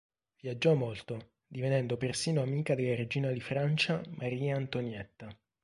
Viaggiò molto, divenendo persino amica della regina di Francia Maria Antonietta.